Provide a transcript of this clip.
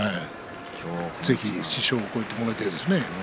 ぜひ師匠を超えてもらいたいですね。